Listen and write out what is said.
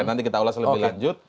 nanti kita ulas lebih lanjut